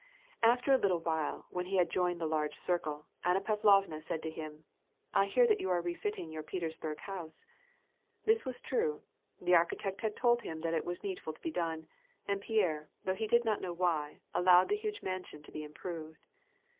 After a little while, when he had joined the large circle, Anna Pavlovna said to him, "I hear that you are refitting your Petersburg house." This was true ; the architect had told him that it was needful to be done, and Pierre, though he did not know why, allowed the huge mansion to be improved.